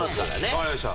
わかりました。